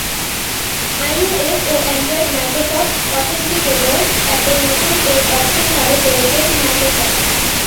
IOS ও অ্যান্ড্রয়েডে Microsoft authenticator অ্যাপে নতুন এ অপশন চালু করেছ মাইক্রোসফট।